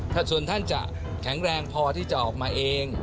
ถ้าส่วนท่านจะแข็งแรงพอที่จะออกมาเอง